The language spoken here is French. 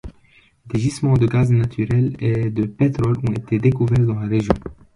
Des gisements de gaz naturel et de pétrole ont été découverts dans la région.